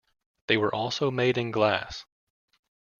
They were also made in glass.